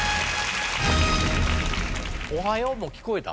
「おはよう」も聞こえた？